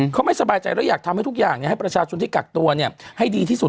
เขาไม่สบายใจแล้วอยากทำให้ทุกอย่างให้ประชาชนที่กักตัวให้ดีที่สุด